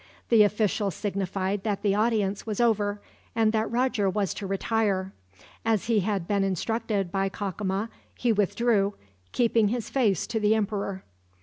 The official signified that the audience was over, and that Roger was to retire. As he had been instructed by Cacama he withdrew, keeping his face to the emperor.